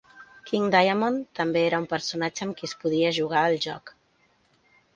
King Diamond també era un personatge amb qui es podia jugar al joc.